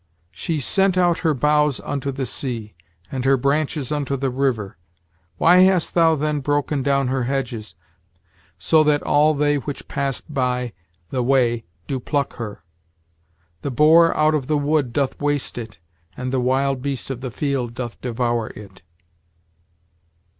She sent out her boughs unto the sea, and her branches unto the river. Why hast thou then broken down her hedges, so that all they which pass by the way do pluck her? The boar out of the wood doth waste it, and the wild beast of the field doth devour it."